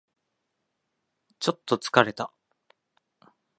ちょっと疲れた